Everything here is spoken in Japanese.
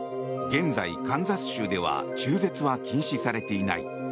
現在、カンザス州では中絶は禁止されていない。